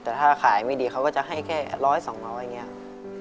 แต่ถ้าขายไม่ดีเขาก็จะให้แค่ร้อยสองเมาท์อย่างนี้